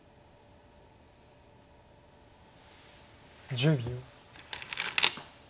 １０秒。